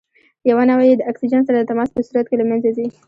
یوه نوعه یې د اکسیجن سره د تماس په صورت کې له منځه ځي.